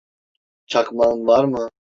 Çakmağın var mı?